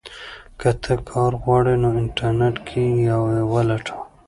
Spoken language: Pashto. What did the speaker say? که ته کار غواړې نو انټرنیټ کې یې ولټوه.